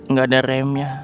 gak ada remnya